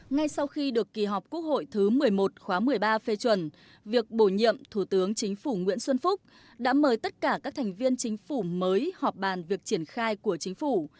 ngay sau khi được kỳ họp quốc hội thứ một mươi một khóa một mươi ba phê chuẩn việc bổ nhiệm thủ tướng chính phủ nguyễn xuân phúc đã mời tất cả các thành viên chính phủ mới họp bàn việc triển khai của chính phủ